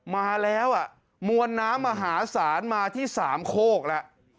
มาแล้วมวลน้ำมหาศาลมาที่สามโคกแล้ว